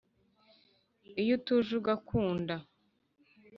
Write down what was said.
Iyo utuje ugakunda